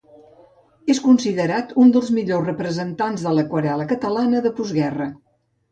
És considerat un dels millors representants de l'aquarel·la catalana de postguerra.